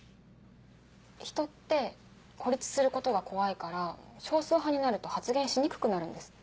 人って孤立することが怖いから少数派になると発言しにくくなるんですって。